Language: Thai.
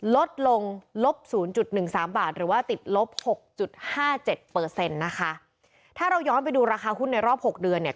ลดลงลบศูนย์จุดหนึ่งสามบาทหรือว่าติดลบหกจุดห้าเจ็ดเปอร์เซ็นต์นะคะถ้าเราย้อนไปดูราคาหุ้นในรอบหกเดือนเนี่ย